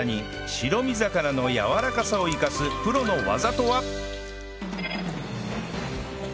白身魚のやわらかさを生かすプロの技とは？